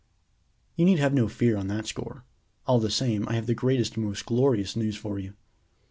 "You need have no fear on that score. All the same, I have the greatest and most glorious news for you.